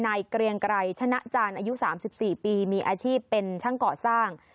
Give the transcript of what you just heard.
เกรียงไกรชนะจานอายุ๓๔ปีมีอาชีพเป็นช่างก่อสร้าง